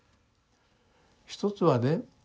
一つはね